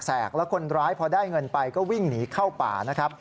แล้วคนร้ายพอได้เงินไปก็วิ่งหนีเข้าป่านะครับ